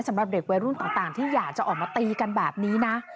สำหรับเด็กวัยรุ่นต่างที่อยากจะออกมาตีกันแบบนี้นะ